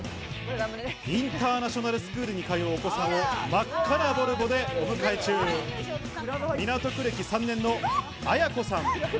インターナショナルスクールに通うお子さんを真っ赤なボルボでお迎え中、港区歴３年のアヤコさん。